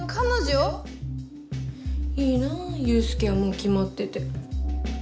いいな悠介はもうきまってて。